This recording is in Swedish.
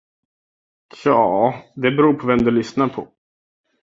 Tja, det beror på vem du lyssnar på.